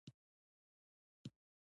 یوازې د جیبونو د ډکولو کاروبار یې زده وو.